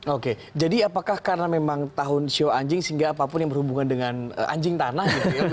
oke jadi apakah karena memang tahun sio anjing sehingga apapun yang berhubungan dengan anjing tanah